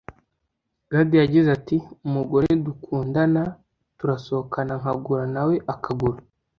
Gad yagize ati "Umugore dukundana turasohokana nkagura nawe akagura